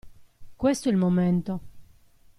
Questo è il momento.